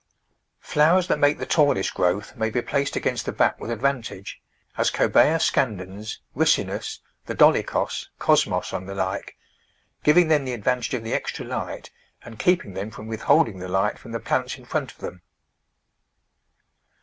Flowers that make the tallest growth may be placed against the back with advantage — as Cobaea scandens, Ricinus, the Dolichos, Cosmos, and the like; giving them the advantage of the extra light and keeping them from withholding the light from the plants in front of them.